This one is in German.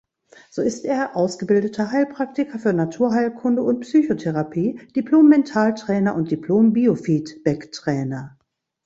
So ist er ausgebildeter Heilpraktiker für Naturheilkunde und Psychotherapie, Diplom-Mentaltrainer und Diplom-Biofeeddbacktrainer.